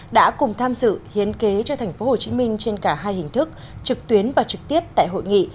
đã cùng tham dự hiến kế cho tp hcm trên cả hai hình thức trực tuyến và trực tiếp tại hội nghị